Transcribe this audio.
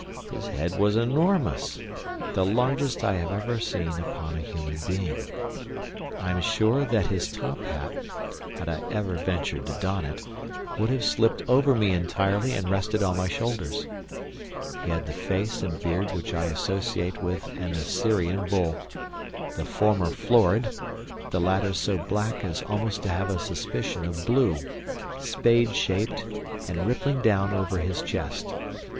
His head was enormous, the largest I have ever seen upon a human being. I am sure that his top hat, had I ever ventured to don it, would have slipped over me entirely and rested on my shoulders. He had the face and beard which I associate with an Assyrian bull; the former florid, the latter so black as almost to have a suspicion of blue, spade shaped and rippling down over his chest.